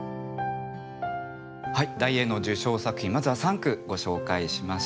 はい題詠の受賞作品まずは三句ご紹介しました。